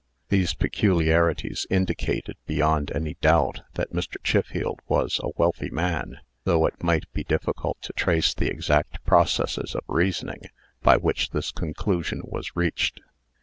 These peculiarities indicated, beyond any doubt, that Mr. Chiffield was a wealthy man; though it might be difficult to trace the exact processes of reasoning by which this conclusion was reached.